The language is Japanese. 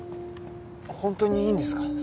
本当にいいんですか？